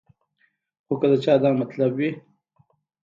خو کۀ د چا دا مطلب وي